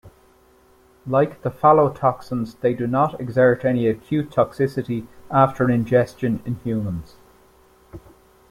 Like the phallotoxins they do not exert any acute toxicity after ingestion in humans.